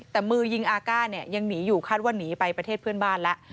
แต่มือยิงอาก้าเนี่ยยังหนีอยู่คาดว่าหนีไปประเทศเพื่อนบ้านแล้ว